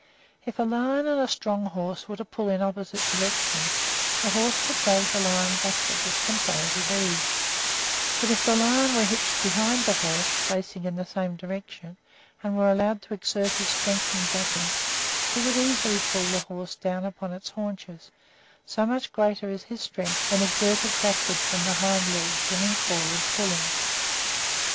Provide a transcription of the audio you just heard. If a lion and a strong horse were to pull in opposite directions, the horse would drag the lion backward with comparative ease; but if the lion were hitched behind the horse, facing in the same direction, and were allowed to exert his strength in backing, he could easily pull the horse down upon his haunches, so much greater is his strength when exerted backward from the hind legs than in forward pulling.